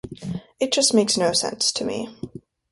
But it just makes no sense to me.